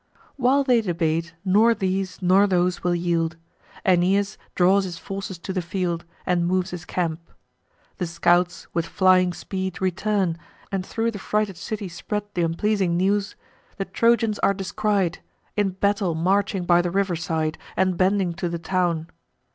While they debate, nor these nor those will yield, Aeneas draws his forces to the field, And moves his camp. The scouts with flying speed Return, and thro' the frighted city spread Th' unpleasing news, the Trojans are descried, In battle marching by the river side, And bending to the town.